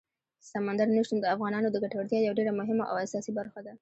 سمندر نه شتون د افغانانو د ګټورتیا یوه ډېره مهمه او اساسي برخه ده.